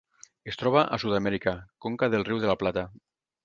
Es troba a Sud-amèrica: conca del Riu de la Plata.